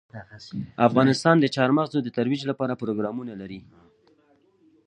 افغانستان د چار مغز د ترویج لپاره پروګرامونه لري.